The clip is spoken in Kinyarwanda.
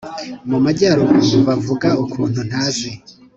Mu majyaruguru bavuga ukuntu ntazi